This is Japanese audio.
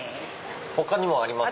他にもありますか？